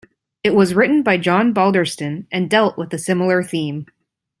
It was written by John Balderston and dealt with a similar theme.